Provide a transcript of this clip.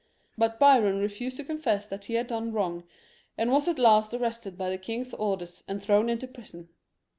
But Biron refused to confess that he had done wrong ; and was at last arrested by the king's orders and thrown into prison.